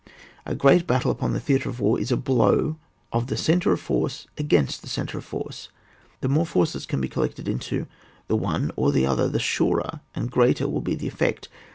A great battle upon the theatre of war is the blow of the centre of force against the centre of force ; the more forces can be collected in the one or the other, the surer and greater will be the effect.